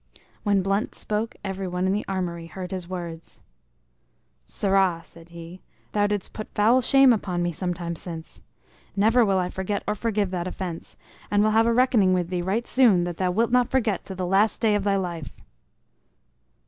When Blunt spoke every one in the armory heard his words. "Sirrah!" said he, "thou didst put foul shame upon me some time sin. Never will I forget or forgive that offence, and will have a reckoning with thee right soon that thou wilt not forget to the last day of thy life."